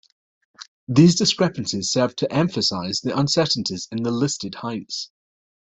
These discrepancies serve to emphasize the uncertainties in the listed heights.